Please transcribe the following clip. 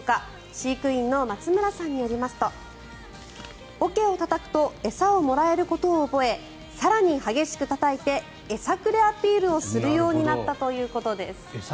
飼育員の松村さんによりますと桶をたたくと餌をもらえることを覚え更に激しくたたいて餌くれアピールをするようになったということです。